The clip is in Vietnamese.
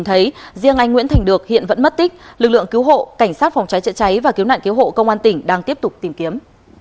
nhìn thấy riêng anh nguyễn thành được hiện vẫn mất tích lực lượng cứu hộ cảnh sát phòng cháy chữa cháy và cứu nạn cứu hộ công an tỉnh đang tiếp tục tìm kiếm